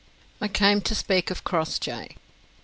"I came to speak of Crossjay."